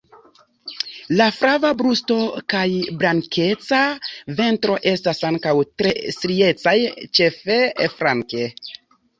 La flava brusto kaj blankeca ventro estas ankaŭ tre striecaj ĉefe flanke.